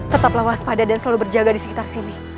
tetaplah waspada dan selalu berjaga di sekitar sini